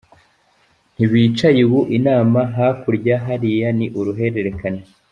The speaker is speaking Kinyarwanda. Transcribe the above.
Nti bicaye, ubu inama hakurya hariya ni uruhererekane.